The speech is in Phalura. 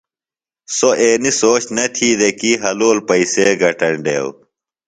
سوۡ اینیۡ سوچ نہ تھی دےۡ کی حلول پیئسے گٹینڈیو۔